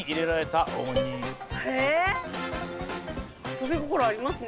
遊び心ありますね。